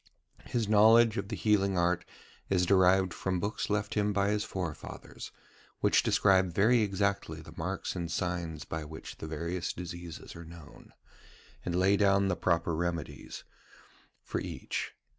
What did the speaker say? His knowledge of the healing art is derived from books left him by his forefathers, which describe very exactly the marks and signs by which the various diseases are known, and lay down the proper remedies for each.